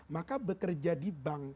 maka bekerja di bank